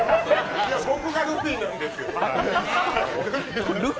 いや、僕がルフィなんです。